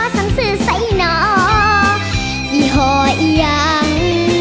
สั่งสื่อใส่หน่อยี่ห่อยยัง